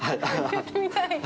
やってみたい！